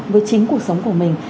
với chính cuộc sống của mình